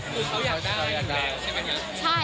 คือเขาอยากได้ใช่ไหม